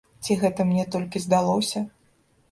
Ці гэта мне толькі здалося?